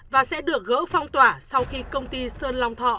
và sẽ được gỡ phong tỏa sau khi công ty sơn long thọ